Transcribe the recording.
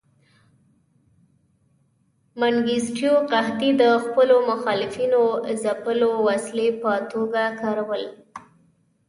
منګیستیو قحطي د خپلو مخالفینو ځپلو وسیلې په توګه کاروله.